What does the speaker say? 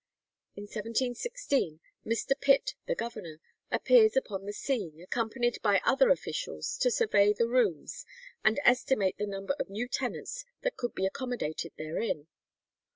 In 1716 Mr. Pitt, the governor, appears upon the scene, accompanied by other officials, to survey the rooms, and estimate the number of new tenants that could be accommodated therein.